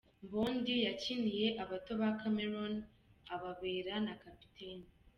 Mbondi yakiniye abato ba Cameroon ababera na kapiteni.